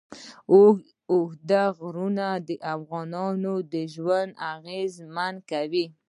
اوږده غرونه د افغانانو ژوند اغېزمن کوي.